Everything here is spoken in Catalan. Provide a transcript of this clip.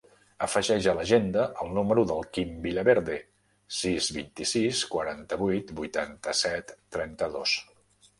Afegeix a l'agenda el número del Quim Villaverde: sis, vint-i-sis, quaranta-vuit, vuitanta-set, trenta-dos.